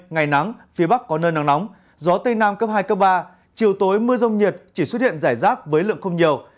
ngày nắng phía bắc có nơi nắng nóng gió tây nam cấp hai cấp ba chiều tối mưa rông nhiệt chỉ xuất hiện rải rác với lượng không nhiều